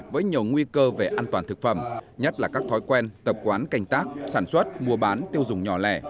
với nhiều nguy cơ về an toàn thực phẩm nhất là các thói quen tập quán canh tác sản xuất mua bán tiêu dùng nhỏ lẻ